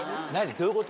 どういうこと？